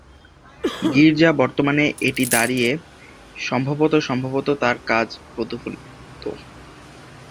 গির্জা বর্তমানে এটি দাঁড়িয়ে সম্ভবত সম্ভবত তার কাজ প্রতিফলিত।